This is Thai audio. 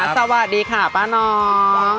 สวัสดีค่ะป้าน้อง